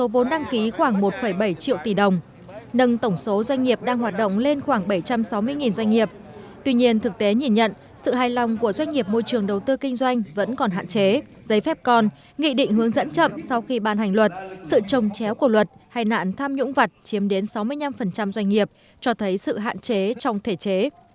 ban hành luật sự trồng chéo của luật hay nạn tham nhũng vật chiếm đến sáu mươi năm doanh nghiệp cho thấy sự hạn chế trong thể chế